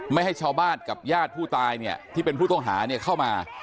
ไม่ให้ชาวบ้านกับญาติผู้ตายเนี่ยที่เป็นผู้ต้องหาเข้ามา